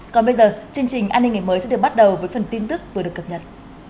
còn bây giờ chương trình an ninh ngày mới sẽ được bắt đầu với phần tin tức vừa được cập nhật